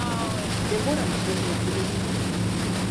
Denbora luzez lortu du.